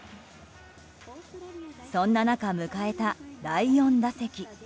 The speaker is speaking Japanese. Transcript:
そんな中、迎えた第４打席。